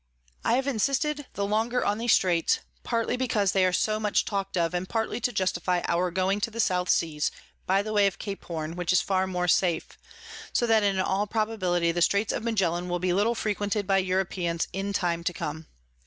I have insisted the longer on these Straits, partly because they are so much talk'd of, and partly to justify our going to the South Seas by the way of Cape Horne, which is far more safe: so that in all probability the Straits of Magellan will be little frequented by Europeans in time to come.